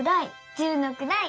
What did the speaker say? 「十のくらい」